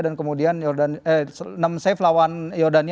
dan kemudian enam save lawan yordan